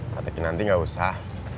katakin nanti gak usah